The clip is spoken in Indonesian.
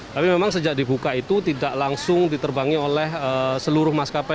tapi memang sejak dibuka itu tidak langsung diterbangi oleh seluruh maskapai